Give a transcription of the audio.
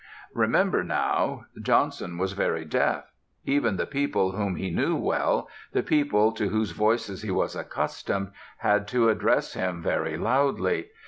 Remember, now, Johnson was very deaf. Even the people whom he knew well, the people to whose voices he was accustomed, had to address him very loudly.